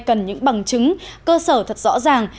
cần những bằng chứng cơ sở thật rõ ràng